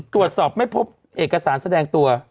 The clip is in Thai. ตรวจสอบไม่พบเอกสารแสดงตัว